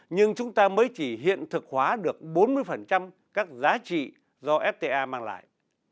nhưng chúng ta mới chỉ hiện thực hóa được bốn mươi các giá trị do fta mang lại